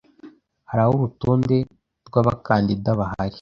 Hariho urutonde rwabakandida bahari.